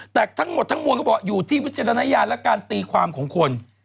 แต่ทั้งหมดทั้งมวลก็บอกอยู่ที่วิจารณญาณและการตีความของคน